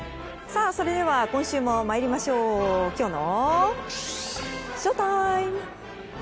それでは今週も参りましょうきょうのＳＨＯＴＩＭＥ。